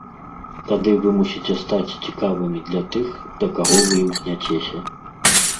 Тады вы мусіце стаць цікавымі для тых, да каго вы імкняцеся.